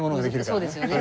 そうですよね。